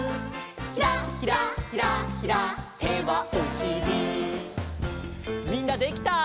「ひらひらひらひら手はおしり」みんなできた？